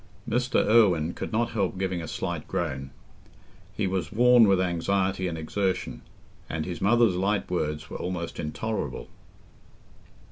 Mr. Irwine could not help giving a slight groan: he was worn with anxiety and exertion, and his mother's light words were almost intolerable.